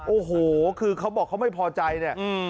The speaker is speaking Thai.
โอ้โหคือเขาบอกเขาไม่พอใจเนี่ย